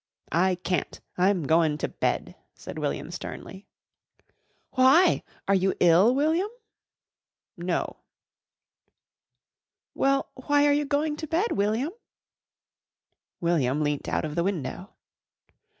"I can't. I'm goin' to bed," said William sternly. "Why? Are you ill, William?" "No." "Well, why are you going to bed, William?" William leant out of the window.